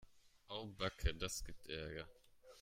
Au backe, das gibt Ärger.